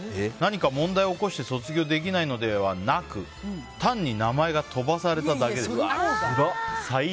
何か問題を起こして卒業できないのではなく単に名前が飛ばされただけでした。